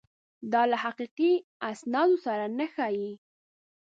دا له حقیقي استاد سره نه ښايي.